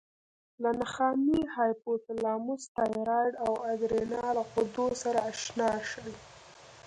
له نخامیې، هایپوتلاموس، تایرایډ او ادرینال غدو سره آشنا شئ.